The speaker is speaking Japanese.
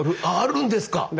あるんですか！